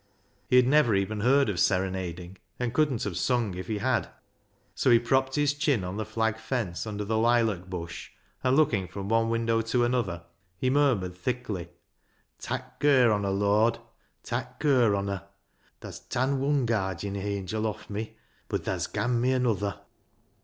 He had never even heard of serenading, and couldn't have sung if he had, so he propped his chin on the flag fence under the lilac bush, and, looking from one window to another, he murmured thickly —" Tak' cur on her, Lord ! Tak' cur on her ! Tha's tan wun guardian hangil off me, bud Tha's gan mi anuther."